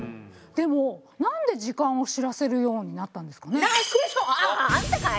でもなんで時間を知らせるようになったんですかね？